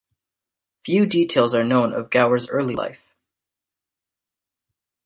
Few details are known of Gower's early life.